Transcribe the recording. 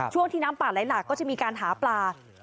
ช่วงที่น้ำป่าไหลหลากก็จะมีการหาปลา